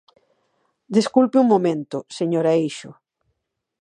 Desculpe un momento, señora Eixo.